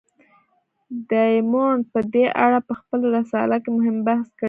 ډایمونډ په دې اړه په خپله رساله کې مهم بحث کړی دی.